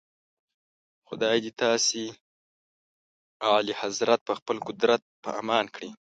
خدای دې تاسي اعلیحضرت په خپل قدرت په امان کړي.